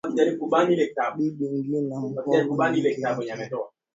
Bibi Ngina Muhoho ni mke wake aliyeitwa Mama Ngina